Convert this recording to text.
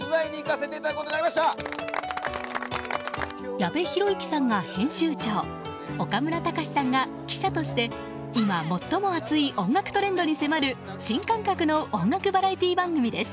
矢部浩之さんが編集長岡村隆史さんが記者として今、最も熱い音楽トレンドに迫る新感覚の音楽バラエティー番組です。